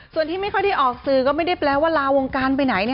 ส่วนที่ไม่ค่อยได้ออกสื่อก็ไม่ได้แปลว่าลาวงการไปไหน